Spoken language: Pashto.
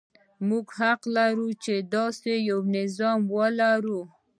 موږ حق لرو چې داسې یو نظام ولرو.